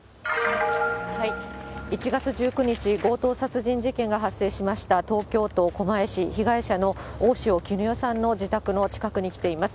１月１９日、強盗殺人事件が発生しました、東京都狛江市、被害者の大塩衣与さんの自宅の近くに来ています。